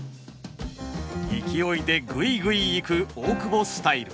勢いでグイグイいく大久保スタイル。